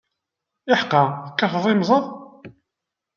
Iḥeqqa, tekkateḍ imẓad?